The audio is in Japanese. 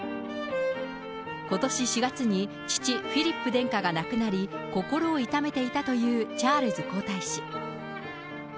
ことし４月に、父、フィリップ殿下が亡くなり、心を痛めていたというチャールズ皇太子。